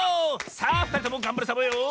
さあふたりともがんばるサボよ。